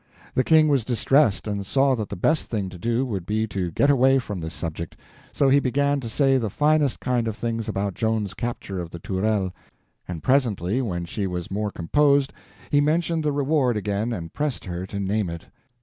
The King was distressed, and saw that the best thing to do would be to get away from this subject, so he began to say the finest kind of things about Joan's capture of the Tourelles, and presently when she was more composed he mentioned the reward again and pressed her to name it.